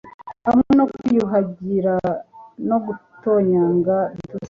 hamwe no kwiyuhagira no gutonyanga bitose